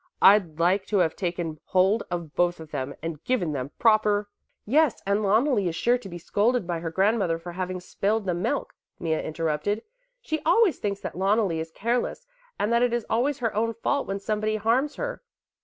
I'd like to have taken hold of both of them and given them proper " "Yes, and Loneli is sure to be scolded by her grandmother for having spilled the milk," Mea interrupted; "she always thinks that Loneli is careless and that it is always her own fault when somebody harms her.